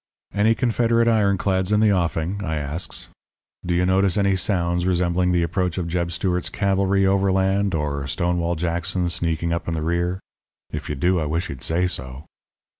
"'Any Confederate ironclads in the offing?' I asks. 'Do you notice any sounds resembling the approach of Jeb Stewart's cavalry overland or Stonewall Jackson sneaking up in the rear? If you do, I wish you'd say so.'